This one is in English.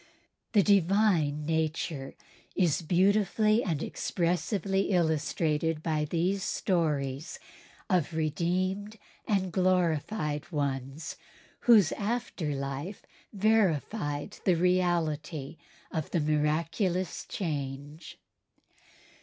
The divine nature is beautifully and impressively illustrated by these stories of redeemed and glorified ones whose after life verified the reality of the miraculous change.